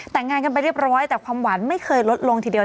แต่งงานกันไปเรียบร้อยแต่ความหวานไม่เคยลดลงทีเดียว